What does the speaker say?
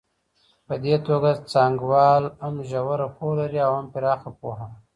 په دې توګه څانګوال هم ژوره پوهه لري او هم پراخه پوهه.